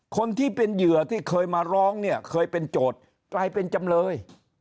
คนที่เป็นเหยื่อที่เคยมาร้องเนี่ยเคยเป็นโจทย์กลายเป็นจำเลย